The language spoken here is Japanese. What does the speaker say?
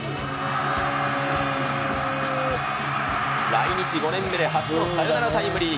来日５年目で初のサヨナラタイムリー。